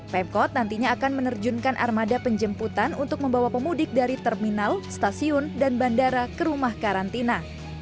pemkot nantinya akan menerjunkan armada penjemputan untuk membawa pemudik dari terminal stasiun dan bandara ke rumah karantina